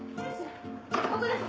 ここです。